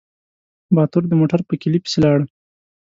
باتور د موټر په کيلي پسې لاړ.